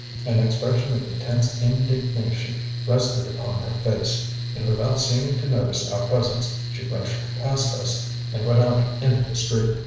An expression of intense indignation rested upon her face, and without seeming to notice our presence she brushed past us and went out into the street.